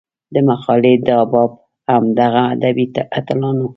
د مقالې دا باب هم دغه ادبي اتلانو